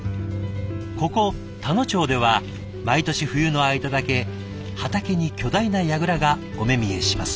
ここ田野町では毎年冬の間だけ畑に巨大なやぐらがお目見えします。